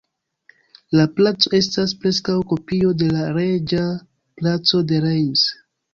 La placo estas preskaŭ kopio de la Reĝa Placo de Reims.